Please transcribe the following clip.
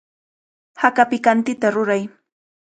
Haka pikantita ruray.